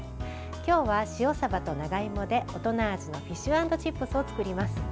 今日は塩さばと長芋で大人味のフィッシュ＆チップスを作ります。